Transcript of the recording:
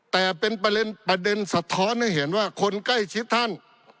แต่เป็นประเด็นสะท้อนให้เห็นว่าคนใกล้ชิดท่าน